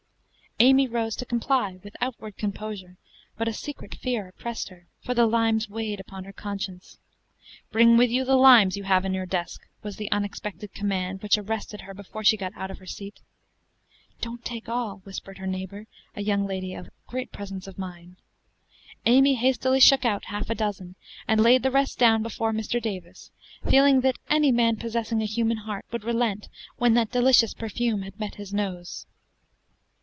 Amy rose to comply with outward composure; but a secret fear oppressed her, for the limes weighed upon her conscience. "Bring with you the limes you have in your desk," was the unexpected command which arrested her before she got out of her seat. "Don't take all," whispered her neighbor, a young lady of great presence of mind. Amy hastily shook out half a dozen, and laid the rest down before Mr. Davis, feeling that any man possessing a human heart would relent when that delicious perfume met his nose.